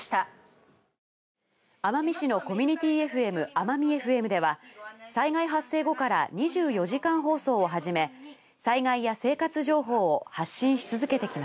奄美市のコミュニティＦＭあまみエフエムでは災害発生後から２４時間放送を始め災害や生活情報を発信し続けてきました。